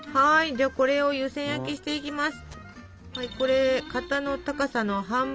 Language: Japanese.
じゃこれを湯せん焼きしていきます。